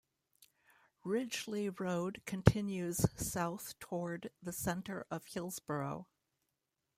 Ridgely Road continues south toward the center of Hillsboro.